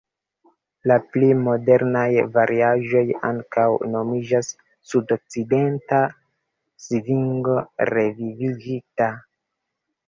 La pli modernaj variaĵoj ankaŭ nomiĝas "sudokcidenta svingo revivigita".